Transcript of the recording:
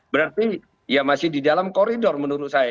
berarti ya masih di dalam koridor menurut saya